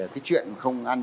cái chuyện không ngăn